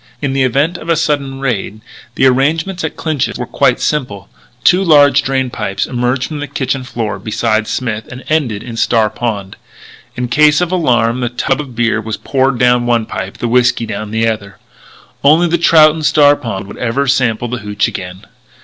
In the event of a sudden raid, the arrangements at Clinch's were quite simple. Two large drain pipes emerged from the kitchen floor beside Smith, and ended in Star Pond. In case of alarm the tub of beer was poured down one pipe; the whiskey down the other. Only the trout in Star Pond would ever sample that hootch again.